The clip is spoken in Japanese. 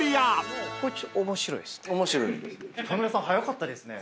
面白いですね。